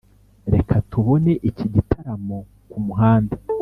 reka tubone iki gitaramo kumuhanda.